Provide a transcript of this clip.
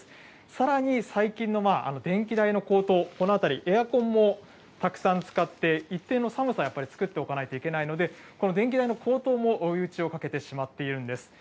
さらに最近の電気代の高騰、この辺り、エアコンもたくさん使って、一定の寒さ、やっぱり作っておかないといけないので、この電気代の高騰も追い打ちをかけてしまっているんです。